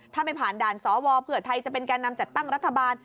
ถ้าไม่ผ่านด่านสวเผื่อไทยจะเป็นแก่นำจัดตั้งรัฐบาล